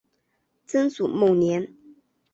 曾祖孟廉。